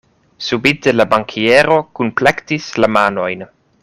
Subite la bankiero kunplektis la manojn.